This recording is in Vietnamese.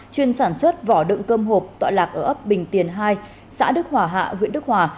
chuyên sản xuất vỏ đựng cơm hộp tọa lạc ở ấp bình tiền hai xã đức hòa hạ huyện đức hòa